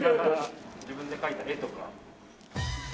自分で描いた絵とか。